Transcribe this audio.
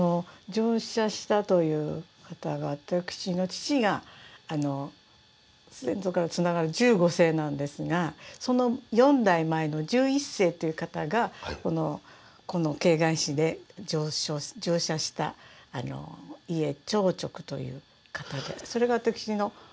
乗車したという方が私の父が先祖からつながる１５世なんですがその４代前の１１世という方がこの慶賀使で乗車した伊江朝直という方でそれが私の父の４代前の方だったんです。